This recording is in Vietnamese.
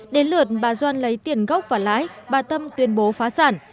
đến lượt bà doan lấy tiền gốc và lãi bà tâm tuyên bố phá sản